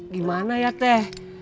gimana ya teh